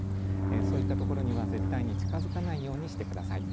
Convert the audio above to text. そういったところには絶対に近づかないようにしてください。